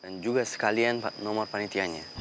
dan juga sekalian nomor panitiannya